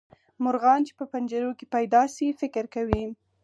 مرغان چې په پنجرو کې پیدا شي فکر کوي.